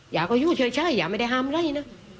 หญ้าก็อยู่เฉยหญ้าไม่ได้ห้ามเลยนะ